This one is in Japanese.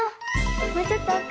もうちょっとおく。